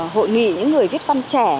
hội nghị những người viết văn trẻ